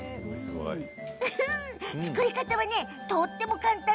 作り方はとっても簡単。